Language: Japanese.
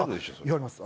言われます。